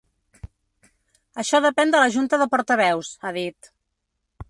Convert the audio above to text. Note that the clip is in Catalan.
Això depèn de la junta de portaveus, ha dit.